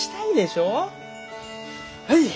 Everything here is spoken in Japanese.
はい。